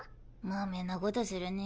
まめなことするねぇ。